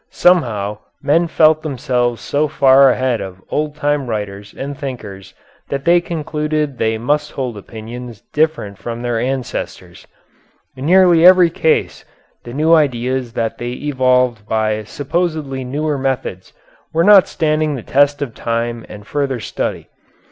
Somehow men felt themselves so far ahead of old time writers and thinkers that they concluded they must hold opinions different from their ancestors. In nearly every case the new ideas that they evolved by supposedly newer methods are not standing the test of time and further study.